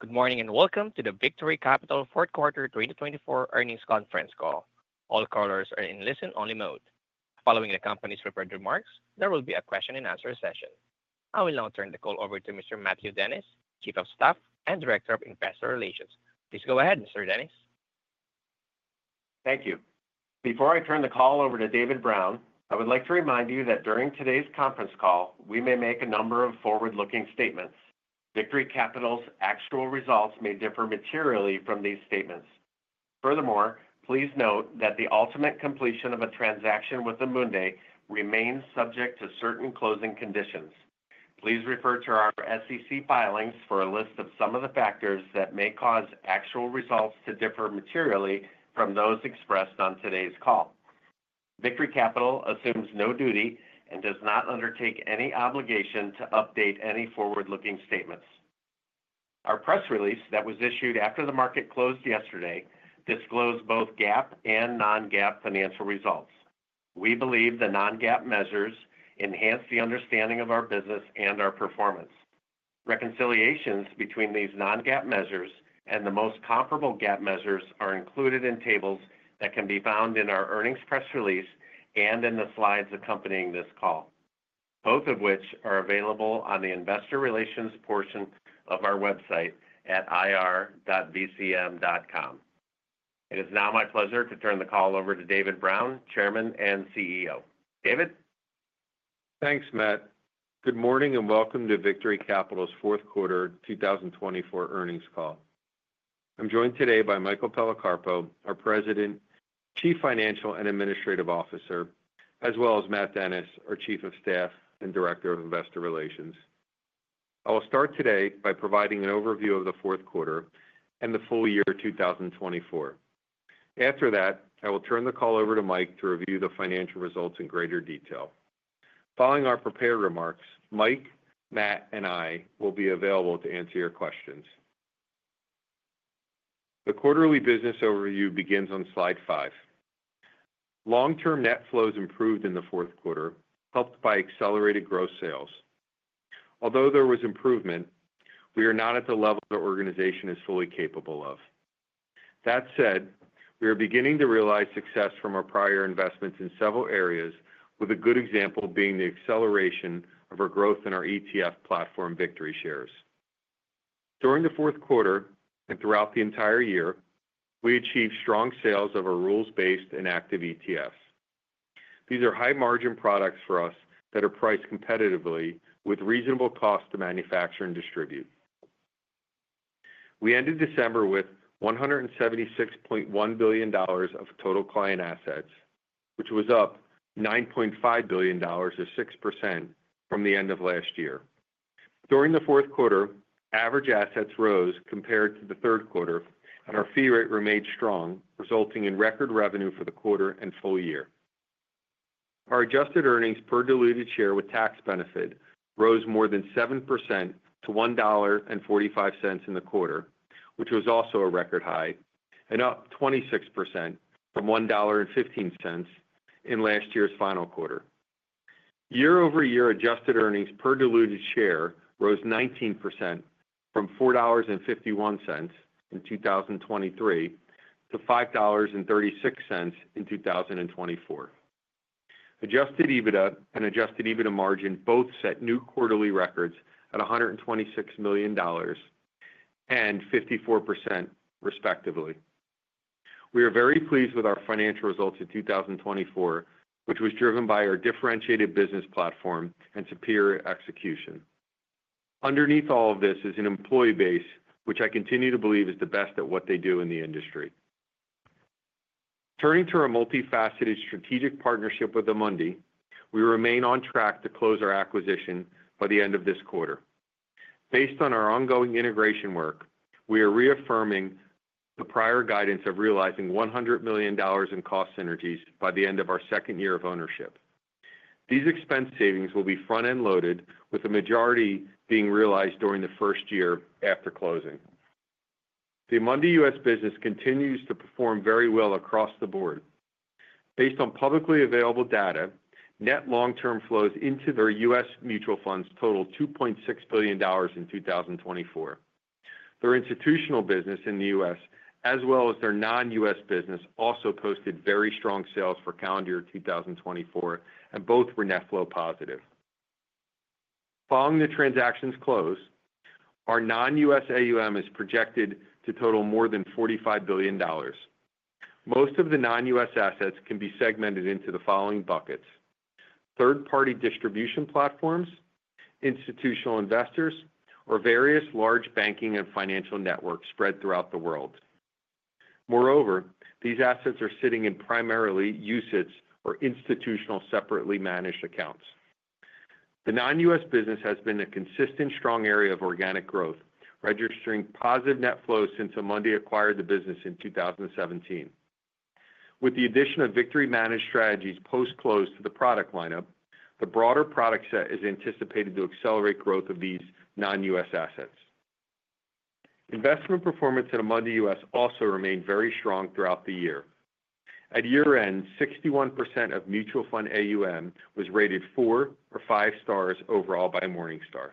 Good morning and welcome to the Victory Capital Fourth Quarter 2024 Earnings Conference Call. All callers are in listen-only mode. Following the company's prepared remarks, there will be a question-and-answer session. I will now turn the call over to Mr. Matthew Dennis, Chief of Staff and Director of Investor Relations. Please go ahead, Mr. Dennis. Thank you. Before I turn the call over to David Brown, I would like to remind you that during today's conference call, we may make a number of forward-looking statements. Victory Capital's actual results may differ materially from these statements. Furthermore, please note that the ultimate completion of a transaction with Amundi remains subject to certain closing conditions. Please refer to our SEC filings for a list of some of the factors that may cause actual results to differ materially from those expressed on today's call. Victory Capital assumes no duty and does not undertake any obligation to update any forward-looking statements. Our press release that was issued after the market closed yesterday disclosed both GAAP and non-GAAP financial results. We believe the non-GAAP measures enhance the understanding of our business and our performance. Reconciliations between these non-GAAP measures and the most comparable GAAP measures are included in tables that can be found in our earnings press release and in the slides accompanying this call, both of which are available on the investor relations portion of our website at irvc.com. It is now my pleasure to turn the call over to David Brown, Chairman and CEO. David? Thanks, Matt. Good morning and welcome to Victory Capital's Fourth Quarter 2024 Earnings Call. I'm joined today by Michael Policarpo, our President, Chief Financial and Administrative Officer, as well as Matt Dennis, our Chief of Staff and Director of Investor Relations. I will start today by providing an overview of the fourth quarter and the full year 2024. After that, I will turn the call over to Mike to review the financial results in greater detail. Following our prepared remarks, Mike, Matt, and I will be available to answer your questions. The quarterly business overview begins on slide five. Long-term net flows improved in the fourth quarter, helped by accelerated gross sales. Although there was improvement, we are not at the level the organization is fully capable of. That said, we are beginning to realize success from our prior investments in several areas, with a good example being the acceleration of our growth in our ETF platform, VictoryShares. During the fourth quarter and throughout the entire year, we achieved strong sales of our rules-based and active ETFs. These are high-margin products for us that are priced competitively with reasonable costs to manufacture and distribute. We ended December with $176.1 billion of total client assets, which was up $9.5 billion, or 6%, from the end of last year. During the fourth quarter, average assets rose compared to the third quarter, and our fee rate remained strong, resulting in record revenue for the quarter and full year. Our adjusted earnings per diluted share with tax benefit rose more than 7% to $1.45 in the quarter, which was also a record high, and up 26% from $1.15 in last year's final quarter. Year-over-year adjusted earnings per diluted share rose 19% from $4.51 in 2023 to $5.36 in 2024. Adjusted EBITDA and adjusted EBITDA margin both set new quarterly records at $126 million and 54%, respectively. We are very pleased with our financial results in 2024, which was driven by our differentiated business platform and superior execution. Underneath all of this is an employee base, which I continue to believe is the best at what they do in the industry. Turning to our multifaceted strategic partnership with Amundi, we remain on track to close our acquisition by the end of this quarter. Based on our ongoing integration work, we are reaffirming the prior guidance of realizing $100 million in cost synergies by the end of our second year of ownership. These expense savings will be front-end loaded, with the majority being realized during the first year after closing. The Amundi U.S. business continues to perform very well across the board. Based on publicly available data, net long-term flows into their U.S. mutual funds totaled $2.6 billion in 2024. Their institutional business in the U.S., as well as their non-U.S. business, also posted very strong sales for calendar year 2024, and both were net flow positive. Following the transaction's close, our non-U.S. AUM is projected to total more than $45 billion. Most of the non-U.S. assets can be segmented into the following buckets: third-party distribution platforms, institutional investors, or various large banking and financial networks spread throughout the world. Moreover, these assets are sitting in primarily U.S. or institutional separately managed accounts. The non-U.S. business has been a consistent, strong area of organic growth, registering positive net flows since Amundi acquired the business in 2017. With the addition of Victory Managed Strategies post-close to the product lineup, the broader product set is anticipated to accelerate growth of these non-U.S. assets. Investment performance at Amundi U.S. also remained very strong throughout the year. At year-end, 61% of mutual fund AUM was rated four or five stars overall by Morningstar.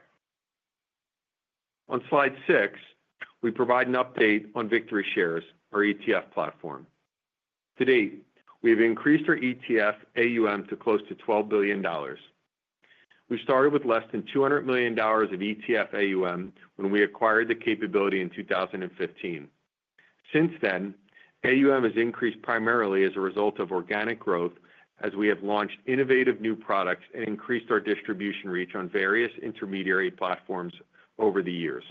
On slide six, we provide an update on VictoryShares, our ETF platform. To date, we have increased our ETF AUM to close to $12 billion. We started with less than $200 million of ETF AUM when we acquired the capability in 2015. Since then, AUM has increased primarily as a result of organic growth, as we have launched innovative new products and increased our distribution reach on various intermediary platforms over the years.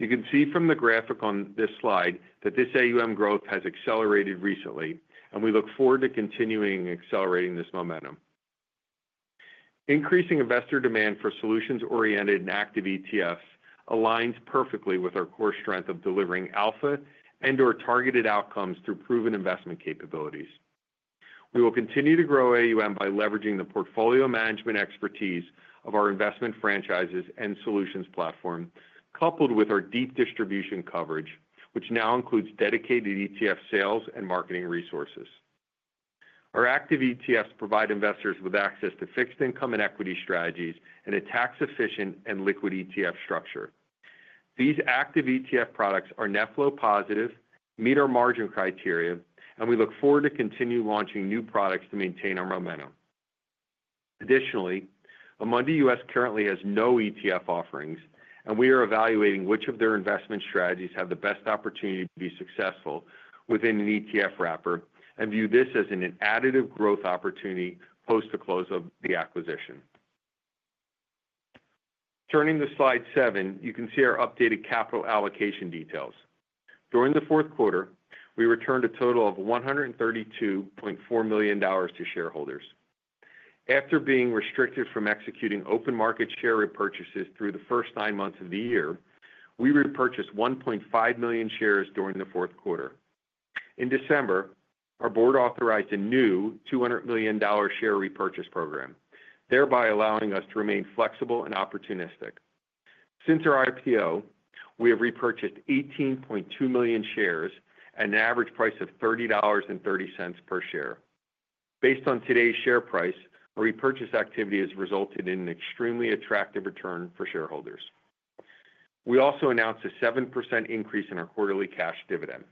You can see from the graphic on this slide that this AUM growth has accelerated recently, and we look forward to continuing accelerating this momentum. Increasing investor demand for solutions-oriented and active ETFs aligns perfectly with our core strength of delivering alpha and/or targeted outcomes through proven investment capabilities. We will continue to grow AUM by leveraging the portfolio management expertise of our investment franchises and solutions platform, coupled with our deep distribution coverage, which now includes dedicated ETF sales and marketing resources. Our active ETFs provide investors with access to fixed income and equity strategies and a tax-efficient and liquid ETF structure. These active ETF products are net flow positive, meet our margin criteria, and we look forward to continuing launching new products to maintain our momentum. Additionally, Amundi U.S. currently has no ETF offerings, and we are evaluating which of their investment strategies have the best opportunity to be successful within an ETF wrapper and view this as an additive growth opportunity post the close of the acquisition. Turning to slide seven, you can see our updated capital allocation details. During the fourth quarter, we returned a total of $132.4 million to shareholders. After being restricted from executing open market share repurchases through the first nine months of the year, we repurchased 1.5 million shares during the fourth quarter. In December, our board authorized a new $200 million share repurchase program, thereby allowing us to remain flexible and opportunistic. Since our IPO, we have repurchased 18.2 million shares at an average price of $30.30 per share. Based on today's share price, our repurchase activity has resulted in an extremely attractive return for shareholders. We also announced a 7% increase in our quarterly cash dividend.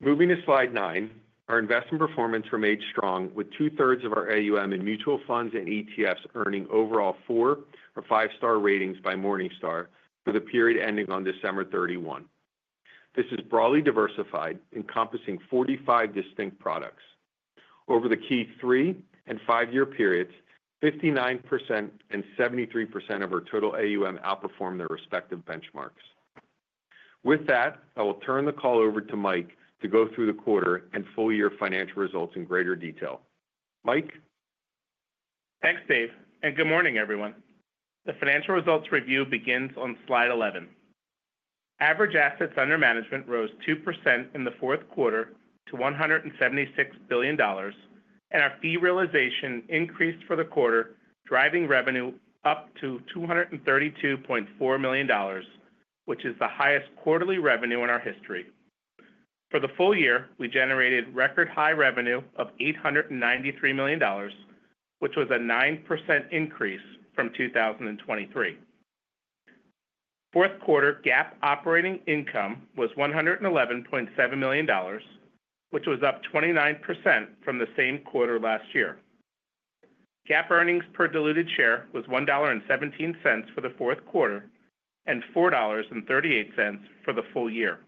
Moving to slide nine, our investment performance remained strong, with two-thirds of our AUM in mutual funds and ETFs earning overall four or five-star ratings by Morningstar for the period ending on December 31. This is broadly diversified, encompassing 45 distinct products. Over the key three and five-year periods, 59% and 73% of our total AUM outperformed their respective benchmarks. With that, I will turn the call over to Mike to go through the quarter and full year financial results in greater detail. Mike. Thanks, Dave. And good morning, everyone. The financial results review begins on slide 11. Average assets under management rose 2% in the fourth quarter to $176 billion, and our fee realization increased for the quarter, driving revenue up to $232.4 million, which is the highest quarterly revenue in our history. For the full year, we generated record high revenue of $893 million, which was a 9% increase from 2023. Fourth quarter GAAP operating income was $111.7 million, which was up 29% from the same quarter last year. GAAP earnings per diluted share was $1.17 for the fourth quarter and $4.38 for the full year.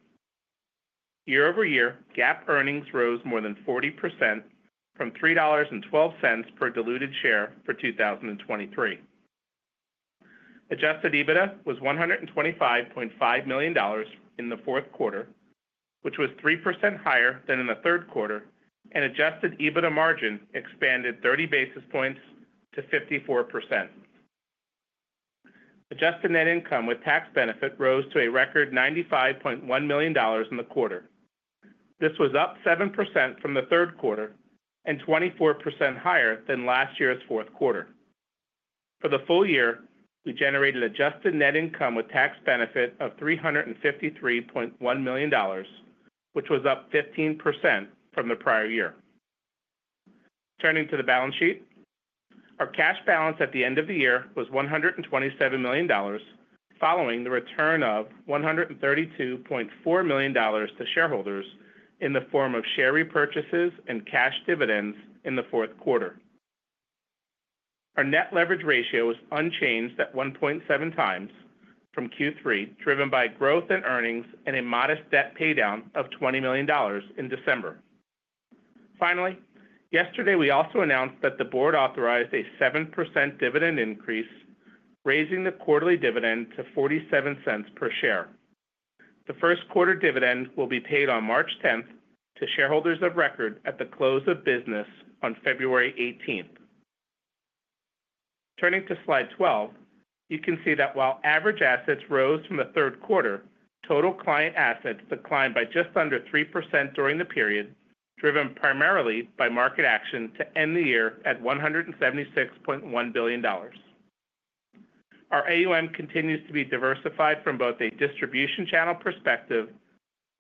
Year-over-year, GAAP earnings rose more than 40% from $3.12 per diluted share for 2023. Adjusted EBITDA was $125.5 million in the fourth quarter, which was 3% higher than in the third quarter, and adjusted EBITDA margin expanded 30 basis points to 54%. Adjusted net income with tax benefit rose to a record $95.1 million in the quarter. This was up 7% from the third quarter and 24% higher than last year's fourth quarter. For the full year, we generated adjusted net income with tax benefit of $353.1 million, which was up 15% from the prior year. Turning to the balance sheet, our cash balance at the end of the year was $127 million, following the return of $132.4 million to shareholders in the form of share repurchases and cash dividends in the fourth quarter. Our net leverage ratio was unchanged at 1.7 times from Q3, driven by growth in earnings and a modest debt paydown of $20 million in December. Finally, yesterday, we also announced that the board authorized a 7% dividend increase, raising the quarterly dividend to $0.47 per share. The first quarter dividend will be paid on March 10 to shareholders of record at the close of business on February 18. Turning to slide 12, you can see that while average assets rose from the third quarter, total client assets declined by just under 3% during the period, driven primarily by market action to end the year at $176.1 billion. Our AUM continues to be diversified from both a distribution channel perspective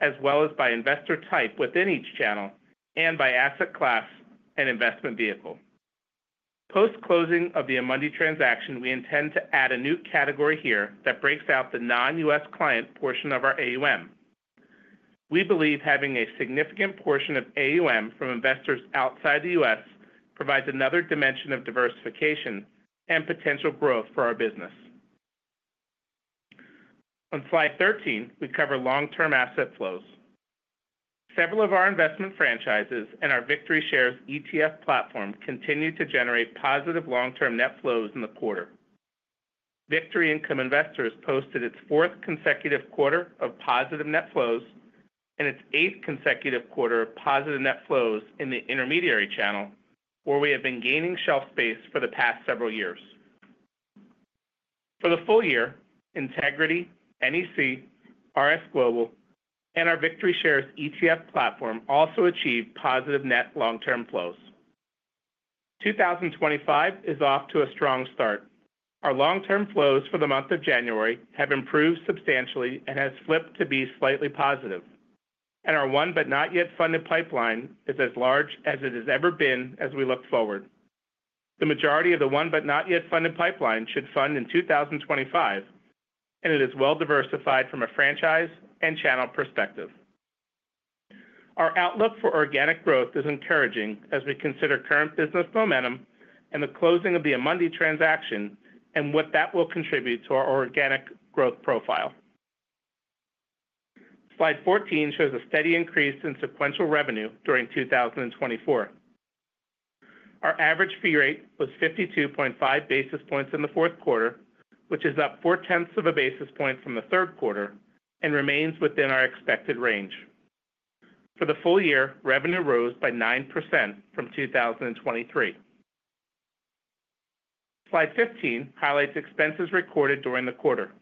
as well as by investor type within each channel and by asset class and investment vehicle. Post-closing of the Amundi transaction, we intend to add a new category here that breaks out the non-U.S. client portion of our AUM. We believe having a significant portion of AUM from investors outside the U.S. provides another dimension of diversification and potential growth for our business. On slide 13, we cover long-term asset flows. Several of our investment franchises and our VictoryShares ETF platform continue to generate positive long-term net flows in the quarter. Victory Income Investors posted its fourth consecutive quarter of positive net flows and its eighth consecutive quarter of positive net flows in the intermediary channel, where we have been gaining shelf space for the past several years. For the full year, Integrity, NEC, RS Global, and our VictoryShares ETF platform also achieved positive net long-term flows. 2025 is off to a strong start. Our long-term flows for the month of January have improved substantially and have flipped to be slightly positive, and our one-but-not-yet-funded pipeline is as large as it has ever been as we look forward. The majority of the one-but-not-yet-funded pipeline should fund in 2025, and it is well diversified from a franchise and channel perspective. Our outlook for organic growth is encouraging as we consider current business momentum and the closing of the Amundi transaction and what that will contribute to our organic growth profile. Slide 14 shows a steady increase in sequential revenue during 2024. Our average fee rate was 52.5 basis points in the fourth quarter, which is up four-tenths of a basis point from the third quarter and remains within our expected range. For the full year, revenue rose by 9% from 2023. Slide 15 highlights expenses recorded during the quarter.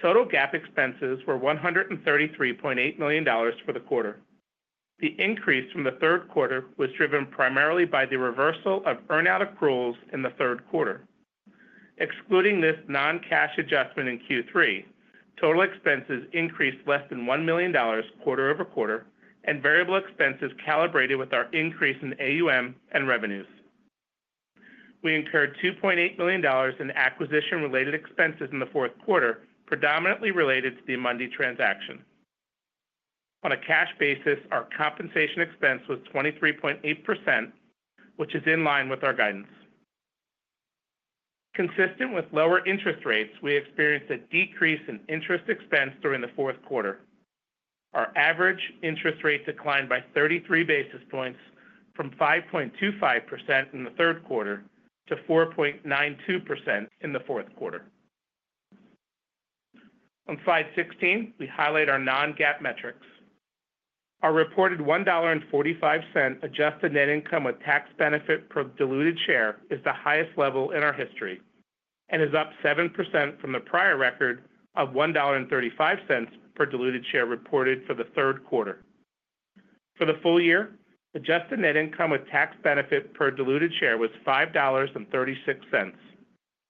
Total GAAP expenses were $133.8 million for the quarter. The increase from the third quarter was driven primarily by the reversal of earn-out accruals in the third quarter. Excluding this non-cash adjustment in Q3, total expenses increased less than $1 million quarter over quarter, and variable expenses calibrated with our increase in AUM and revenues. We incurred $2.8 million in acquisition-related expenses in the fourth quarter, predominantly related to the Amundi transaction. On a cash basis, our compensation expense was 23.8%, which is in line with our guidance. Consistent with lower interest rates, we experienced a decrease in interest expense during the fourth quarter. Our average interest rate declined by 33 basis points from 5.25% in the third quarter to 4.92% in the fourth quarter. On slide 16, we highlight our non-GAAP metrics. Our reported $1.45 adjusted net income with tax benefit per diluted share is the highest level in our history and is up 7% from the prior record of $1.35 per diluted share reported for the third quarter. For the full year, adjusted net income with tax benefit per diluted share was $5.36,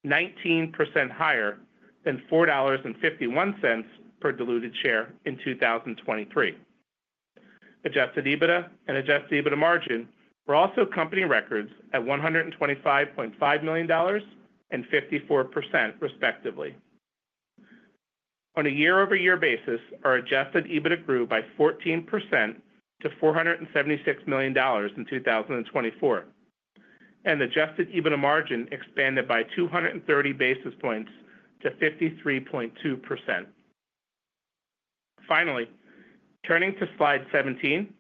19% higher than $4.51 per diluted share in 2023. Adjusted EBITDA and adjusted EBITDA margin were also company records at $125.5 million and 54%, respectively. On a year-over-year basis, our adjusted EBITDA grew by 14% to $476 million in 2024, and adjusted EBITDA margin expanded by 230 basis points to 53.2%. Finally, turning to slide 17,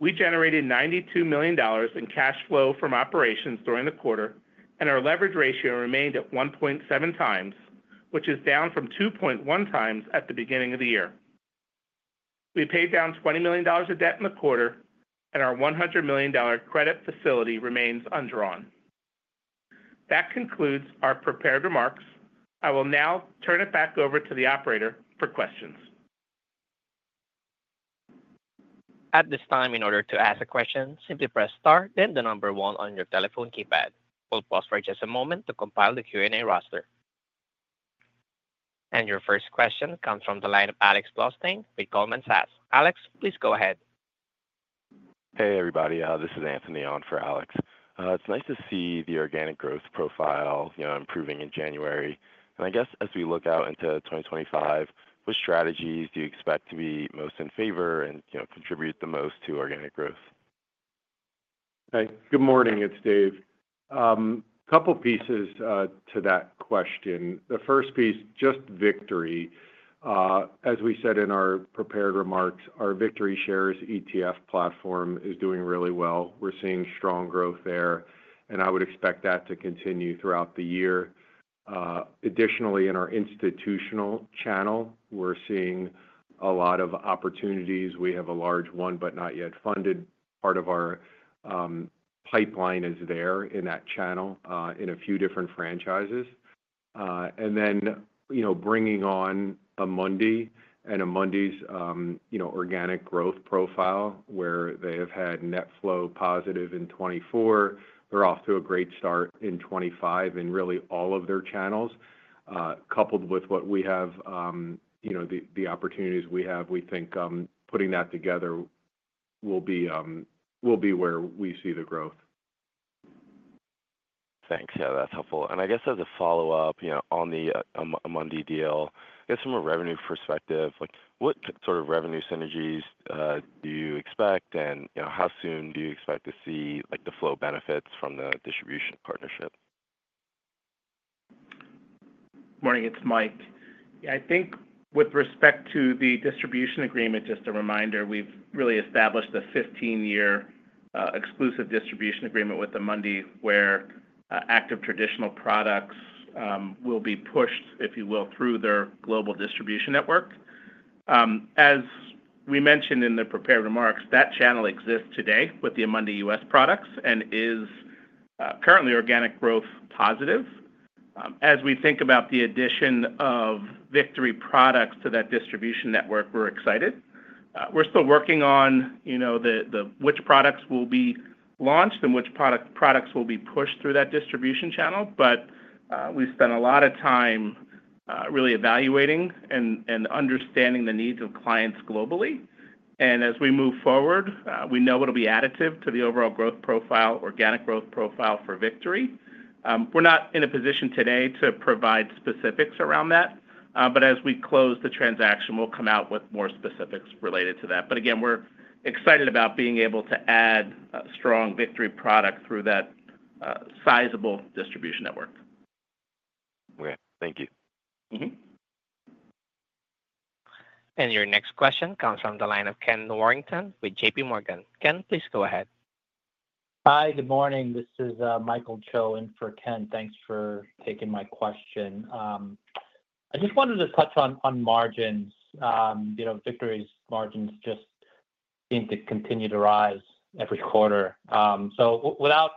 we generated $92 million in cash flow from operations during the quarter, and our leverage ratio remained at 1.7 times, which is down from 2.1 times at the beginning of the year. We paid down $20 million of debt in the quarter, and our $100 million credit facility remains undrawn. That concludes our prepared remarks. I will now turn it back over to the operator for questions. At this time, in order to ask a question, simply press Start, then the number one on your telephone keypad. We'll pause for just a moment to compile the Q&A roster. And your first question comes from the line of Alex Blostein with Goldman Sachs. Alex, please go ahead. Hey, everybody. This is Anthony on for Alex. It's nice to see the organic growth profile improving in January. And I guess as we look out into 2025, what strategies do you expect to be most in favor and contribute the most to organic growth? Hi, good morning. It's Dave. A couple of pieces to that question. The first piece, just Victory. As we said in our prepared remarks, our Victory Shares ETF platform is doing really well. We're seeing strong growth there, and I would expect that to continue throughout the year. Additionally, in our institutional channel, we're seeing a lot of opportunities. We have a large one-but-not-yet-funded part of our pipeline is there in that channel in a few different franchises. And then bringing on Amundi and Amundi's organic growth profile, where they have had net flow positive in 2024, they're off to a great start in 2025 in really all of their channels. Coupled with what we have, the opportunities we have, we think putting that together will be where we see the growth. Thanks. Yeah, that's helpful. And I guess as a follow-up on the Amundi deal, I guess from a revenue perspective, what sort of revenue synergies do you expect, and how soon do you expect to see the flow benefits from the distribution partnership? Good morning. It's Mike. Yeah, I think with respect to the distribution agreement, just a reminder, we've really established a 15-year exclusive distribution agreement with Amundi, where active traditional products will be pushed, if you will, through their global distribution network. As we mentioned in the prepared remarks, that channel exists today with the Amundi U.S. products and is currently organic growth positive. As we think about the addition of Victory products to that distribution network, we're excited. We're still working on which products will be launched and which products will be pushed through that distribution channel, but we spent a lot of time really evaluating and understanding the needs of clients globally. And as we move forward, we know it'll be additive to the overall growth profile, organic growth profile for Victory. We're not in a position today to provide specifics around that, but as we close the transaction, we'll come out with more specifics related to that. But again, we're excited about being able to add strong Victory product through that sizable distribution network. Okay. Thank you. Your next question comes from the line of Ken Worthington with JPMorgan. Ken, please go ahead. Hi, good morning. This is Michael Cho in for Ken. Thanks for taking my question. I just wanted to touch on margins. Victory's margins just seem to continue to rise every quarter. So without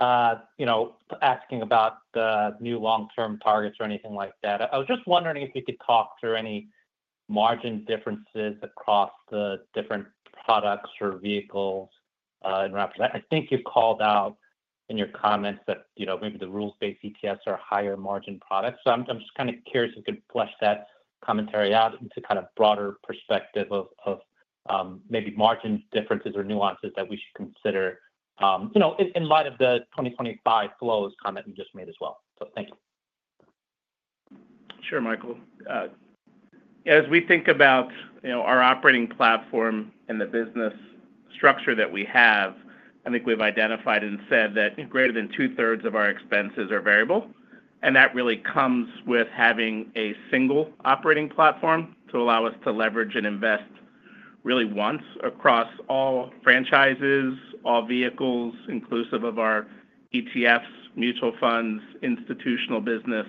asking about the new long-term targets or anything like that, I was just wondering if you could talk through any margin differences across the different products or vehicles and wrappers. I think you called out in your comments that maybe the rules-based ETFs are higher margin products. So I'm just kind of curious if you could flesh that commentary out into kind of broader perspective of maybe margin differences or nuances that we should consider in light of the 2025 flows comment you just made as well. So thank you. Sure, Michael. As we think about our operating platform and the business structure that we have, I think we've identified and said that greater than two-thirds of our expenses are variable. And that really comes with having a single operating platform to allow us to leverage and invest really once across all franchises, all vehicles, inclusive of our ETFs, mutual funds, institutional business,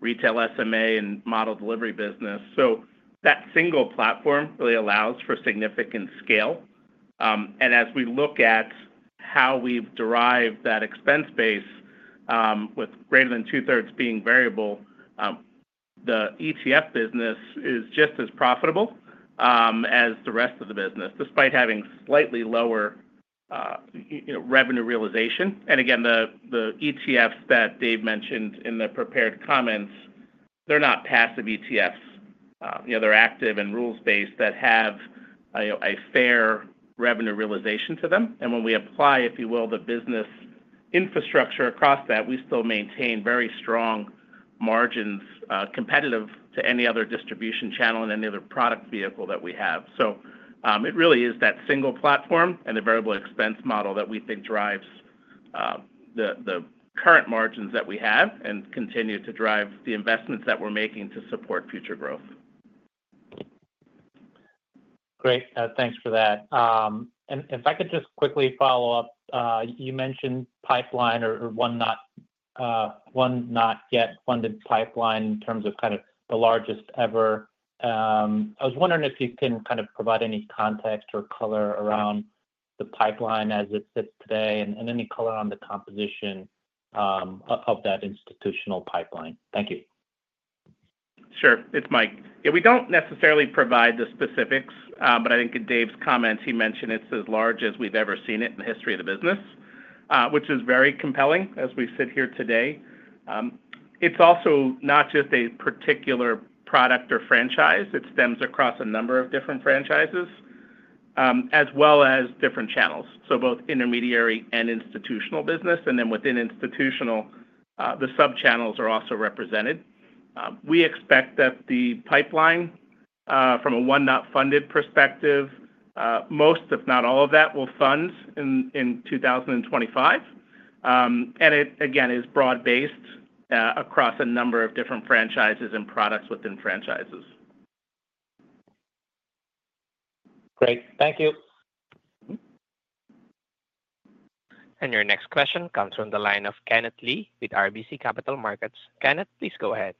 retail SMA, and model delivery business. So that single platform really allows for significant scale. And as we look at how we've derived that expense base with greater than two-thirds being variable, the ETF business is just as profitable as the rest of the business, despite having slightly lower revenue realization. And again, the ETFs that Dave mentioned in the prepared comments, they're not passive ETFs. They're active and rules-based that have a fair revenue realization to them. And when we apply, if you will, the business infrastructure across that, we still maintain very strong margins competitive to any other distribution channel and any other product vehicle that we have. So it really is that single platform and the variable expense model that we think drives the current margins that we have and continue to drive the investments that we're making to support future growth. Great. Thanks for that. And if I could just quickly follow up, you mentioned pipeline or one-but-not-yet-funded pipeline in terms of kind of the largest ever. I was wondering if you can kind of provide any context or color around the pipeline as it sits today and any color on the composition of that institutional pipeline? Thank you. Sure. It's Mike. Yeah, we don't necessarily provide the specifics, but I think in Dave's comments, he mentioned it's as large as we've ever seen it in the history of the business, which is very compelling as we sit here today. It's also not just a particular product or franchise. It stems across a number of different franchises as well as different channels. So both intermediary and institutional business, and then within institutional, the sub-channels are also represented. We expect that the pipeline, from a one-but-not-yet-funded perspective, most, if not all of that, will fund in 2025. And it, again, is broad-based across a number of different franchises and products within franchises. Great. Thank you. Your next question comes from the line of Kenneth Lee with RBC Capital Markets. Kenneth, please go ahead.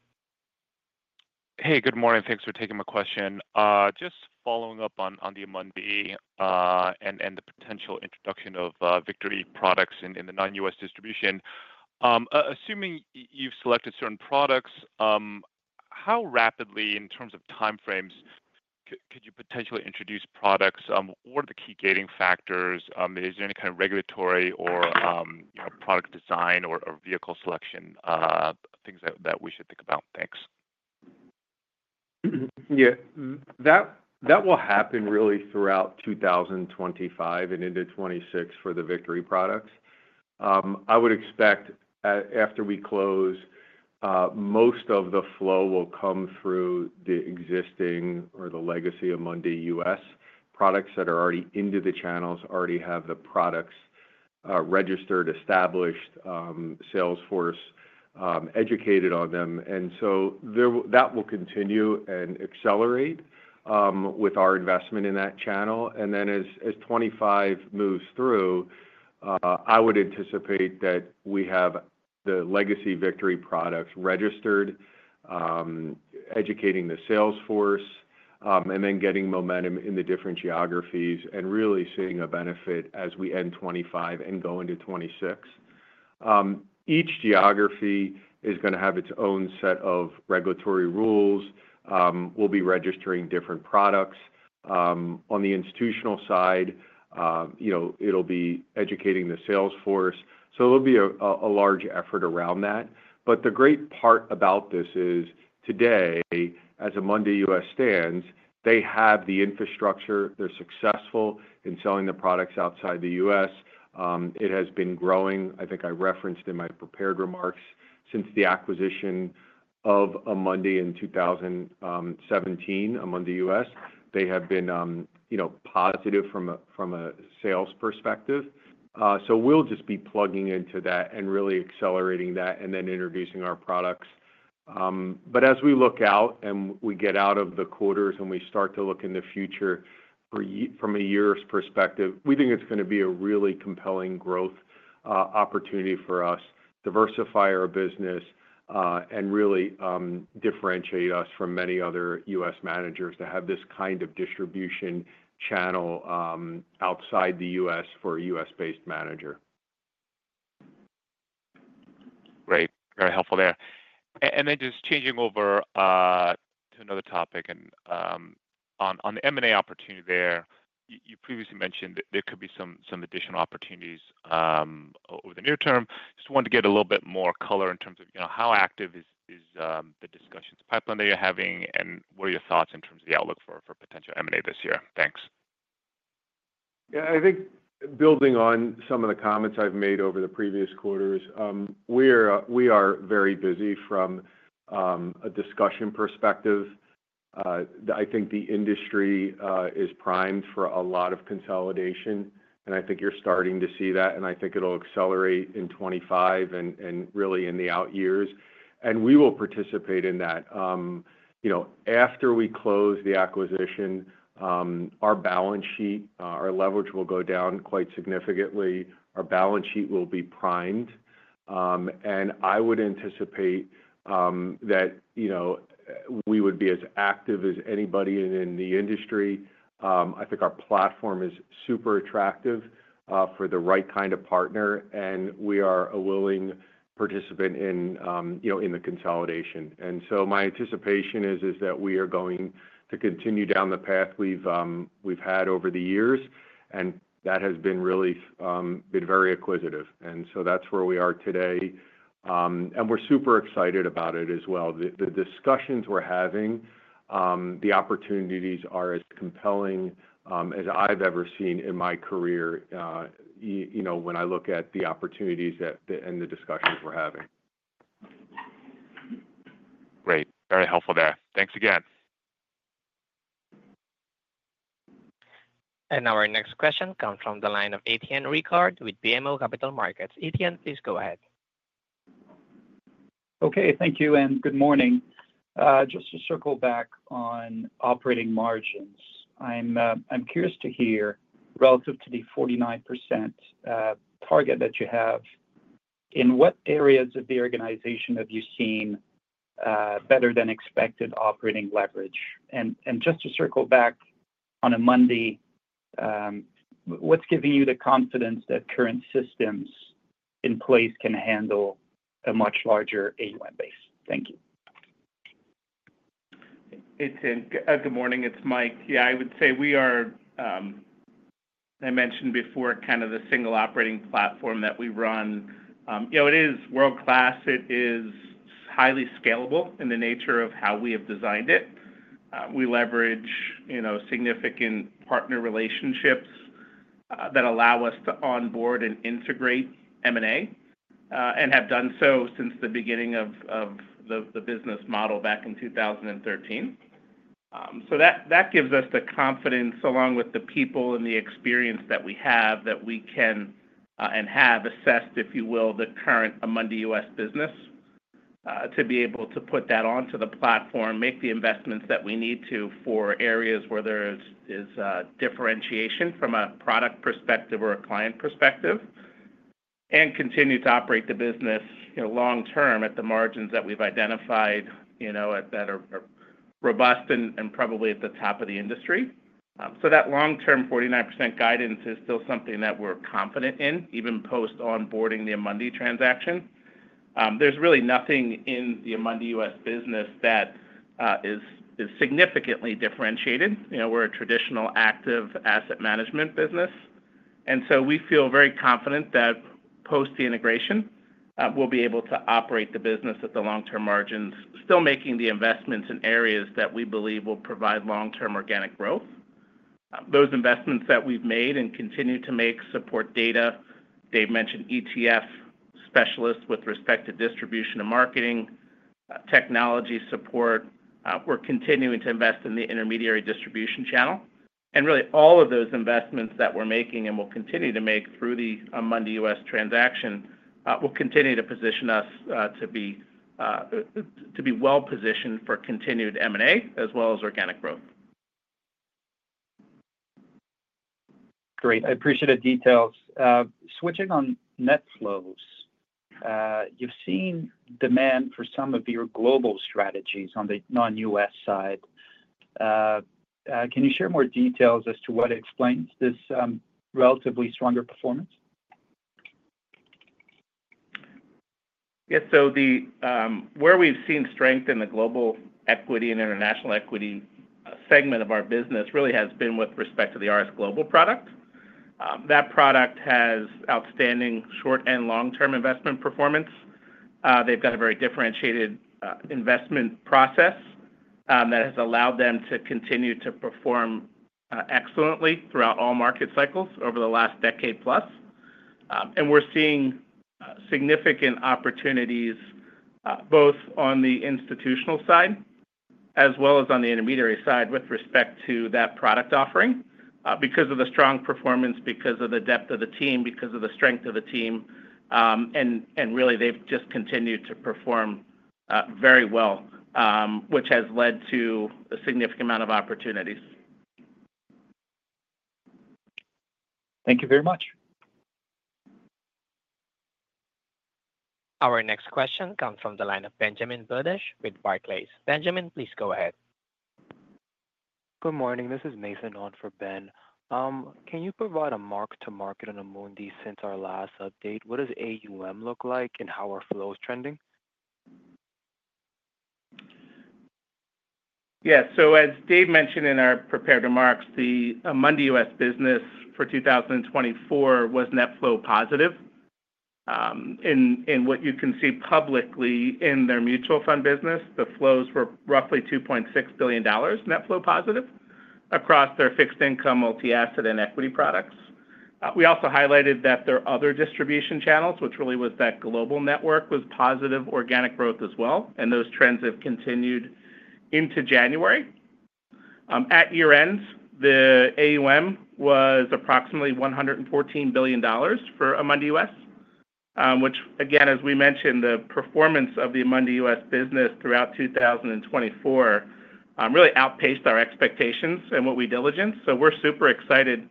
Hey, good morning. Thanks for taking my question. Just following up on the Amundi and the potential introduction of Victory products in the non-U.S. distribution. Assuming you've selected certain products, how rapidly, in terms of time frames, could you potentially introduce products? What are the key gating factors? Is there any kind of regulatory or product design or vehicle selection things that we should think about? Thanks. Yeah. That will happen really throughout 2025 and into 2026 for the Victory products. I would expect after we close, most of the flow will come through the existing or the legacy Amundi U.S. products that are already into the channels, already have the products registered, established, sales force educated on them. And so that will continue and accelerate with our investment in that channel. And then as 2025 moves through, I would anticipate that we have the legacy Victory products registered, educating the sales force, and then getting momentum in the different geographies and really seeing a benefit as we end 2025 and go into 2026. Each geography is going to have its own set of regulatory rules. We'll be registering different products. On the institutional side, it'll be educating the sales force. So it'll be a large effort around that. But the great part about this is today, as Amundi U.S. stands, they have the infrastructure. They're successful in selling the products outside the U.S. It has been growing. I think I referenced in my prepared remarks since the acquisition of Amundi in 2017, Amundi U.S. They have been positive from a sales perspective. So we'll just be plugging into that and really accelerating that and then introducing our products. But as we look out and we get out of the quarters and we start to look in the future from a year's perspective, we think it's going to be a really compelling growth opportunity for us, diversify our business, and really differentiate us from many other U.S. managers to have this kind of distribution channel outside the U.S. for a U.S.-based manager. Great. Very helpful there. And then just changing over to another topic. And on the M&A opportunity there, you previously mentioned there could be some additional opportunities over the near term. Just wanted to get a little bit more color in terms of how active is the discussions pipeline that you're having, and what are your thoughts in terms of the outlook for potential M&A this year? Thanks. Yeah. I think building on some of the comments I've made over the previous quarters, we are very busy from a discussion perspective. I think the industry is primed for a lot of consolidation, and I think you're starting to see that. And I think it'll accelerate in 2025 and really in the out years. And we will participate in that. After we close the acquisition, our balance sheet, our leverage will go down quite significantly. Our balance sheet will be primed. And I would anticipate that we would be as active as anybody in the industry. I think our platform is super attractive for the right kind of partner, and we are a willing participant in the consolidation. And so my anticipation is that we are going to continue down the path we've had over the years, and that has been really very acquisitive. So that's where we are today. We're super excited about it as well. The discussions we're having, the opportunities are as compelling as I've ever seen in my career when I look at the opportunities and the discussions we're having. Great. Very helpful there. Thanks again. Our next question comes from the line of Etienne Ricard with BMO Capital Markets. Etienne, please go ahead. Okay. Thank you. And good morning. Just to circle back on operating margins, I'm curious to hear relative to the 49% target that you have, in what areas of the organization have you seen better-than-expected operating leverage? And just to circle back on Amundi, what's giving you the confidence that current systems in place can handle a much larger AUM base? Thank you. Etienne, good morning. It's Mike. Yeah, I would say we are, as I mentioned before, kind of the single operating platform that we run. It is world-class. It is highly scalable in the nature of how we have designed it. We leverage significant partner relationships that allow us to onboard and integrate M&A and have done so since the beginning of the business model back in 2013. So that gives us the confidence, along with the people and the experience that we have, that we can and have assessed, if you will, the current Amundi U.S. business to be able to put that onto the platform, make the investments that we need to for areas where there is differentiation from a product perspective or a client perspective, and continue to operate the business long-term at the margins that we've identified that are robust and probably at the top of the industry. So that long-term 49% guidance is still something that we're confident in, even post-onboarding the Amundi transaction. There's really nothing in the Amundi U.S. business that is significantly differentiated. We're a traditional active asset management business. And so we feel very confident that post-integration, we'll be able to operate the business at the long-term margins, still making the investments in areas that we believe will provide long-term organic growth. Those investments that we've made and continue to make support data. Dave mentioned ETF specialists with respect to distribution and marketing, technology support. We're continuing to invest in the intermediary distribution channel, and really, all of those investments that we're making and will continue to make through the Amundi U.S. transaction will continue to position us to be well-positioned for continued M&A as well as organic growth. Great. I appreciate the details. Switching on net flows, you've seen demand for some of your global strategies on the non-U.S. side. Can you share more details as to what explains this relatively stronger performance? Yeah. So where we've seen strength in the global equity and international equity segment of our business really has been with respect to the RS Global product. That product has outstanding short and long-term investment performance. They've got a very differentiated investment process that has allowed them to continue to perform excellently throughout all market cycles over the last decade plus. And we're seeing significant opportunities both on the institutional side as well as on the intermediary side with respect to that product offering because of the strong performance, because of the depth of the team, because of the strength of the team. And really, they've just continued to perform very well, which has led to a significant amount of opportunities. Thank you very much. Our next question comes from the line of Ben Budish with Barclays. Ben, please go ahead. Good morning. This is Nathan on for Ben. Can you provide a mark-to-market on Amundi since our last update? What does AUM look like and how are flows trending? Yeah. So as Dave mentioned in our prepared remarks, the Amundi U.S. business for 2024 was net flow positive. And what you can see publicly in their mutual fund business, the flows were roughly $2.6 billion net flow positive across their fixed income, multi-asset, and equity products. We also highlighted that their other distribution channels, which really was that global network, was positive organic growth as well. And those trends have continued into January. At year-end, the AUM was approximately $114 billion for Amundi U.S., which, again, as we mentioned, the performance of the Amundi U.S. business throughout 2024 really outpaced our expectations and what we diligence. So we're super excited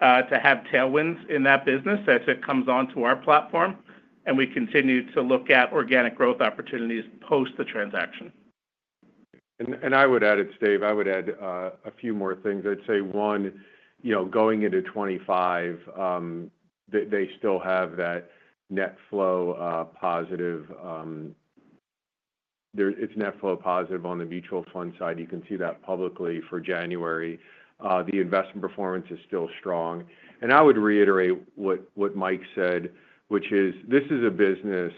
to have tailwinds in that business as it comes onto our platform, and we continue to look at organic growth opportunities post-transaction. And I would add, it's Dave. I would add a few more things. I'd say, one, going into 2025, they still have that net flow positive. It's net flow positive on the mutual fund side. You can see that publicly for January. The investment performance is still strong, and I would reiterate what Mike said, which is this is a business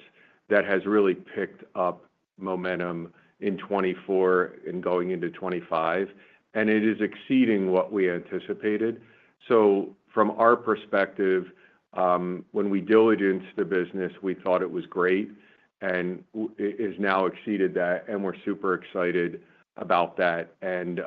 that has really picked up momentum in 2024 and going into 2025, and it is exceeding what we anticipated, so from our perspective, when we diligence the business, we thought it was great and it has now exceeded that, and we're super excited about that and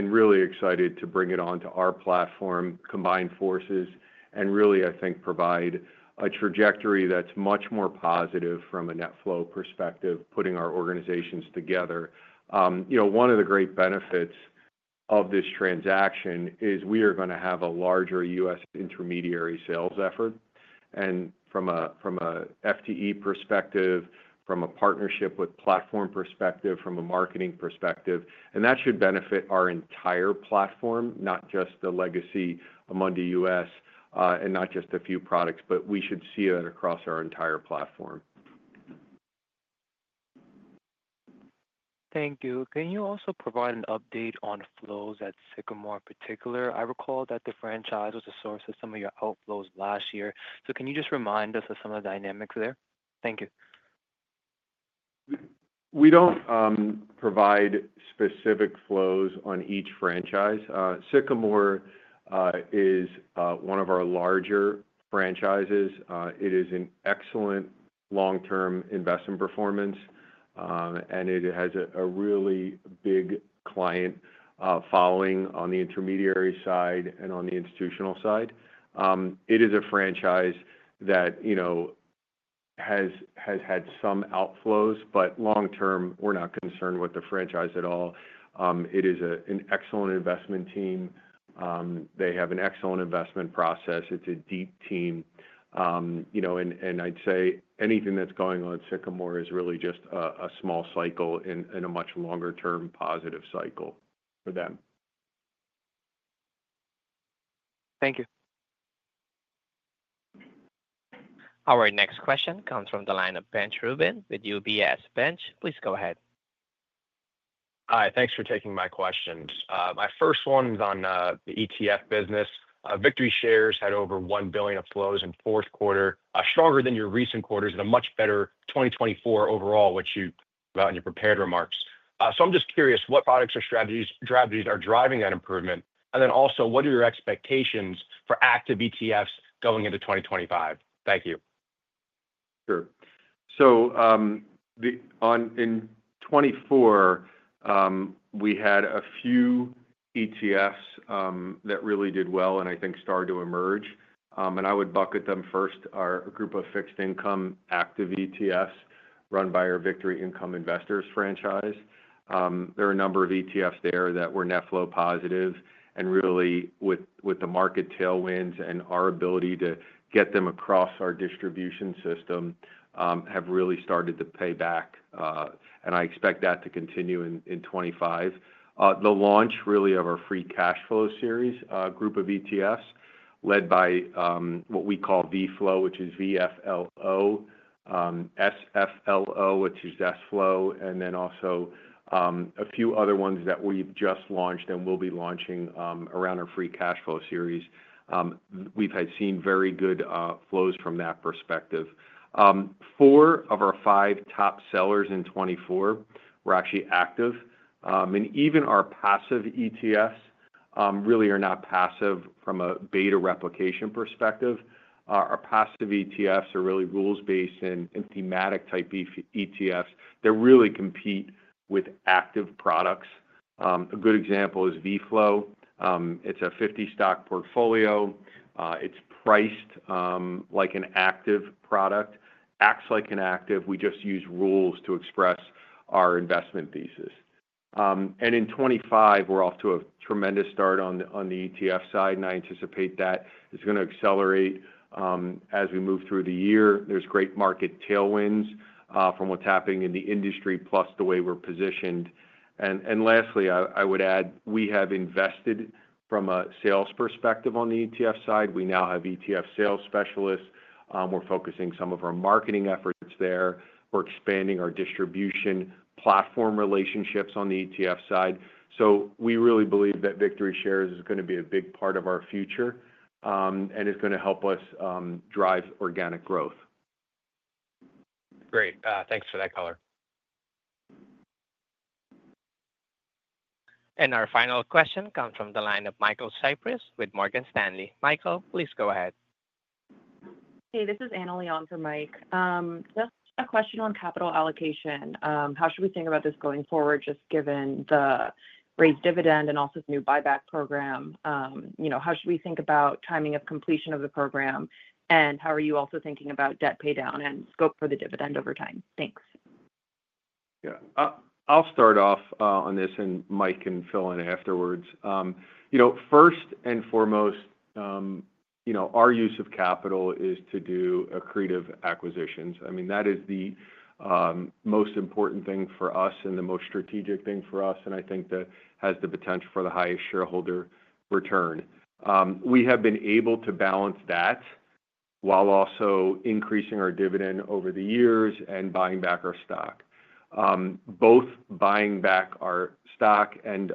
really excited to bring it onto our platform, combine forces, and really, I think, provide a trajectory that's much more positive from a net flow perspective, putting our organizations together. One of the great benefits of this transaction is we are going to have a larger U.S. intermediary sales effort. From an FTE perspective, from a partnership with platform perspective, from a marketing perspective, and that should benefit our entire platform, not just the legacy Amundi U.S. and not just a few products, but we should see it across our entire platform. Thank you. Can you also provide an update on flows at Sycamore in particular? I recall that the franchise was the source of some of your outflows last year. So can you just remind us of some of the dynamics there? Thank you. We don't provide specific flows on each franchise. Sycamore is one of our larger franchises. It is an excellent long-term investment performance, and it has a really big client following on the intermediary side and on the institutional side. It is a franchise that has had some outflows, but long-term, we're not concerned with the franchise at all. It is an excellent investment team. They have an excellent investment process. It's a deep team. And I'd say anything that's going on at Sycamore is really just a small cycle and a much longer-term positive cycle for them. Thank you. Our next question comes from the line of Benj Rubin with UBS. Benj, please go ahead. Hi. Thanks for taking my questions. My first one is on the ETF business. VictoryShares had over $1 billion of flows in fourth quarter, stronger than your recent quarters and a much better 2024 overall, which you talked about in your prepared remarks. So I'm just curious what products or strategies are driving that improvement? And then also, what are your expectations for active ETFs going into 2025? Thank you. Sure. So in 2024, we had a few ETFs that really did well and I think started to emerge, and I would bucket them first, our group of fixed income active ETFs run by our Victory Income Investors franchise. There are a number of ETFs there that were net flow positive. And really, with the market tailwinds and our ability to get them across our distribution system, have really started to pay back, and I expect that to continue in 2025. The launch really of our free cash flow series, a group of ETFs led by what we call VFLO, which is V-F-L-O, S-F-L-O, which is S-F-L-O, and then also a few other ones that we've just launched and will be launching around our free cash flow series. We've seen very good flows from that perspective. Four of our five top sellers in 2024 were actually active. Even our passive ETFs really are not passive from a beta replication perspective. Our passive ETFs are really rules-based and thematic type ETFs. They really compete with active products. A good example is VFLO. It's a 50-stock portfolio. It's priced like an active product, acts like an active. We just use rules to express our investment thesis. In 2025, we're off to a tremendous start on the ETF side, and I anticipate that is going to accelerate as we move through the year. There's great market tailwinds from what's happening in the industry plus the way we're positioned. Lastly, I would add we have invested from a sales perspective on the ETF side. We now have ETF sales specialists. We're focusing some of our marketing efforts there. We're expanding our distribution platform relationships on the ETF side. So we really believe that VictoryShares is going to be a big part of our future and is going to help us drive organic growth. Great. Thanks for that, color. And our final question comes from the line of Michael Cyprys with Morgan Stanley. Michael, please go ahead. Hey, this is Anna Leon for Mike. Just a question on capital allocation. How should we think about this going forward, just given the raised dividend and also the new buyback program? How should we think about timing of completion of the program? And how are you also thinking about debt paydown and scope for the dividend over time? Thanks. Yeah. I'll start off on this, and Mike can fill in afterwards. First and foremost, our use of capital is to do accretive acquisitions. I mean, that is the most important thing for us and the most strategic thing for us. And I think that has the potential for the highest shareholder return. We have been able to balance that while also increasing our dividend over the years and buying back our stock. Both buying back our stock and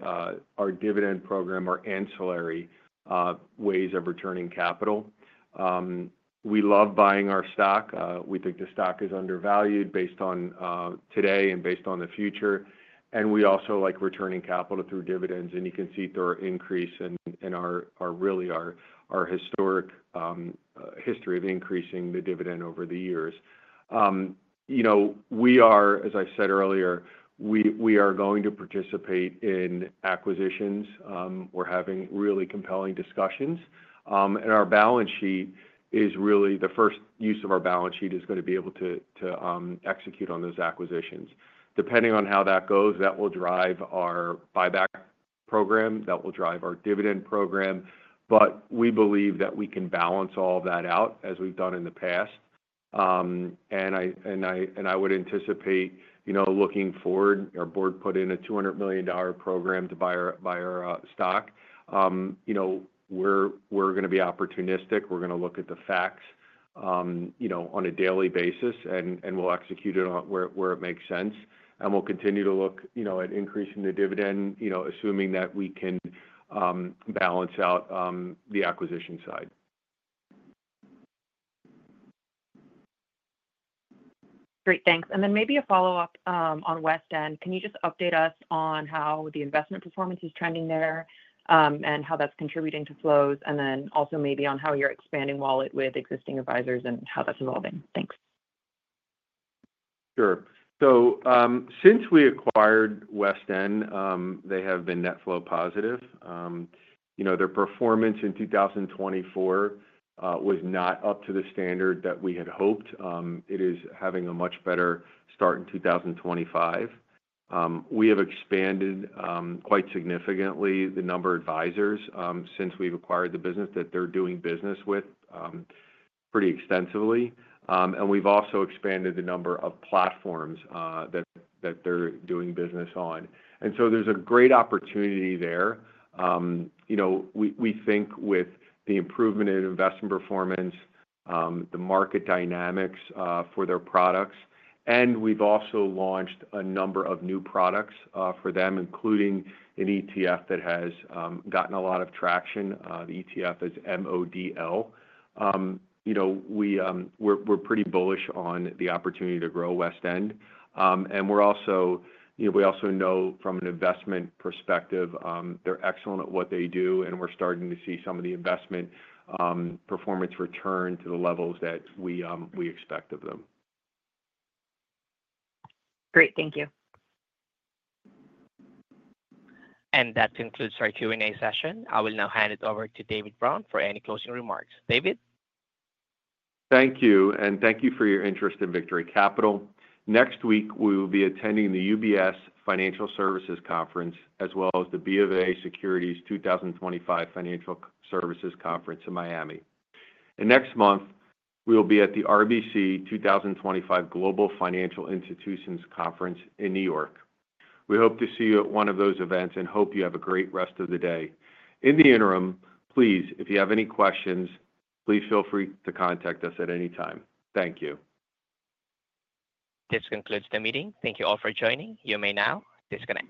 our dividend program are ancillary ways of returning capital. We love buying our stock. We think the stock is undervalued based on today and based on the future. And we also like returning capital through dividends. And you can see through our increase and really our historic history of increasing the dividend over the years. We are, as I said earlier, we are going to participate in acquisitions. We're having really compelling discussions. Our balance sheet is really the first use of our balance sheet is going to be able to execute on those acquisitions. Depending on how that goes, that will drive our buyback program. That will drive our dividend program. We believe that we can balance all of that out as we've done in the past. I would anticipate looking forward, our board put in a $200 million program to buy our stock. We're going to be opportunistic. We're going to look at the facts on a daily basis, and we'll execute it where it makes sense. We'll continue to look at increasing the dividend, assuming that we can balance out the acquisition side. Great. Thanks. And then maybe a follow-up on West End. Can you just update us on how the investment performance is trending there and how that's contributing to flows? And then also maybe on how you're expanding wallet with existing advisors and how that's evolving. Thanks. Sure. So since we acquired West End, they have been net flow positive. Their performance in 2024 was not up to the standard that we had hoped. It is having a much better start in 2025. We have expanded quite significantly the number of advisors since we've acquired the business that they're doing business with pretty extensively. And we've also expanded the number of platforms that they're doing business on. And so there's a great opportunity there. We think with the improvement in investment performance, the market dynamics for their products, and we've also launched a number of new products for them, including an ETF that has gotten a lot of traction, the ETF, MODL. We're pretty bullish on the opportunity to grow West End. We also know from an investment perspective, they're excellent at what they do, and we're starting to see some of the investment performance return to the levels that we expect of them. Great. Thank you. And that concludes our Q&A session. I will now hand it over to David Brown for any closing remarks. David? Thank you. And thank you for your interest in Victory Capital. Next week, we will be attending the UBS Financial Services Conference as well as the B of A Securities 2025 Financial Services Conference in Miami. And next month, we will be at the RBC 2025 Global Financial Institutions Conference in New York. We hope to see you at one of those events and hope you have a great rest of the day. In the interim, please, if you have any questions, please feel free to contact us at any time. Thank you. This concludes the meeting. Thank you all for joining. You may now disconnect.